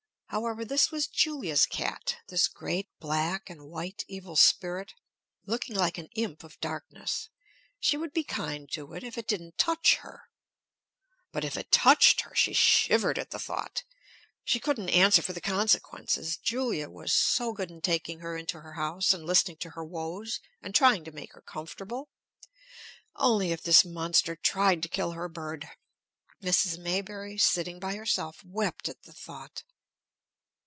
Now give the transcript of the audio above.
However, this was Julia's cat, this great black and white evil spirit, looking like an imp of darkness; she would be kind to it if it didn't touch her. But if it touched her she shivered at the thought she couldn't answer for the consequences. Julia was so good in taking her into her house, and listening to her woes, and trying to make her comfortable, only if this monster tried to kill her bird, Mrs. Maybury, sitting by herself, wept at the thought.